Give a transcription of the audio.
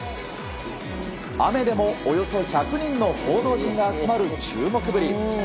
雨でもおよそ１００人の報道陣が集まる注目ぶり。